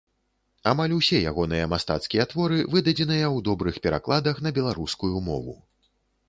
Амаль усе ягоныя мастацкія творы выдадзеныя ў добрых перакладах на беларускую мову.